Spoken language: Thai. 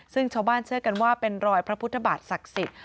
ซึ่งชาวบ้านเชื่อกันว่าเป็นรอยพระพุทธบาทศักดิ์สิทธิ์